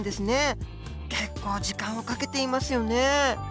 結構時間をかけていますよね。